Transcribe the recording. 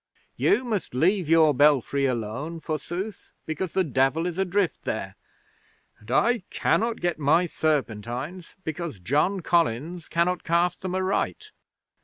You must leave your belfry alone, forsooth, because the Devil is adrift there; and I cannot get my serpentines because John Collins cannot cast them aright.